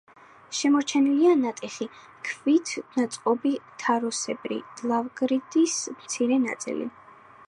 შემორჩენილია ნატეხი ქვით ნაწყობი თაროსებრი ლავგარდნის მცირე ნაწილი.